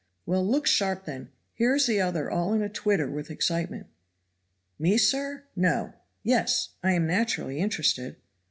"Well, look sharp, then here is the other all in a twitter with excitement." "Me, sir? No yes. I am naturally interested."